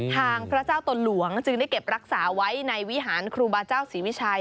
พระเจ้าตนหลวงจึงได้เก็บรักษาไว้ในวิหารครูบาเจ้าศรีวิชัย